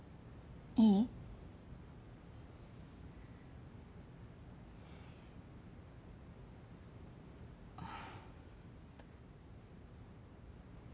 いい？あっ。